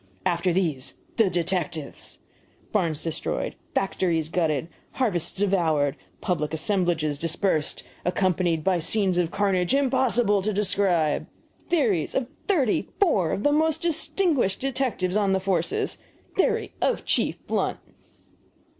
AFTER THESE, THE DETECTIVES! BARNS DESTROYED, FACTORIES GUTTED, HARVESTS DEVOURED, PUBLIC ASSEMBLAGES DISPERSED, ACCOMPANIED BY SCENES OF CARNAGE IMPOSSIBLE TO DESCRIBE! THEORIES OF THIRTY FOUR OF THE MOST DISTINGUISHED DETECTIVES ON THE FORCE! THEORY OF CHIEF BLUNT!